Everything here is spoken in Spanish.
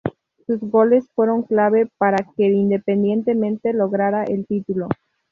Sus goles fueron clave para que Independiente lograra el título.